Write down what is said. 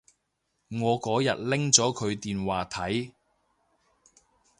我嗰日拎咗佢電話睇